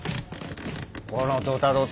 ・このドタドタ。